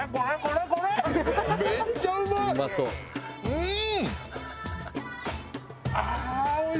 うん！